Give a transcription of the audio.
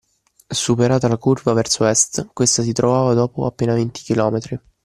Superata la curva verso Est, questa si trovava dopo appena venti chilometri